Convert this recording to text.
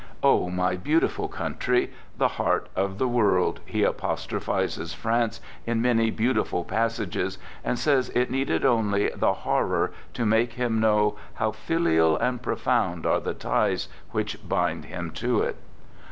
" O, my beautiful country, the heart of the world," he apostrophizes France in many beautiful passages, and says it needed only " the horror " to make him know " how filial and profound are the ties " which bind him to it.